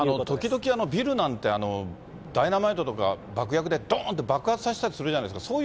時々、ビルなんてダイナマイトとか爆薬でどーんと爆発させたりするじゃないですか。